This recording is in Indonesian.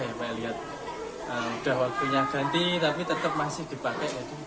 saya lihat sudah waktunya ganti tapi tetap masih dipakai